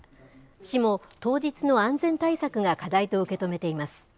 市も当日の安全対策が課題と受け止めています。